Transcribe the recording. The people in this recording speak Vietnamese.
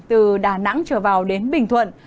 từ đà nẵng trở vào đến bình thuận